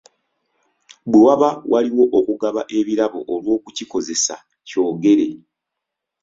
Bwe waba waliwo okugaba ebirabo olw'okukikozesa kyogere.